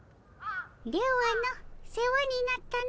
ではの世話になったの。